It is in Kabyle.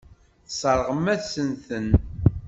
Tesseṛɣem-asent-ten.